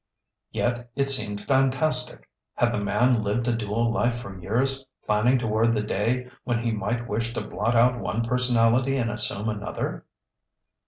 Yet, it seemed fantastic. Had the man lived a dual life for years, planning toward the day when he might wish to blot out one personality and assume another?